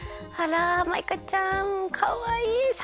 あらマイカちゃんかわいい！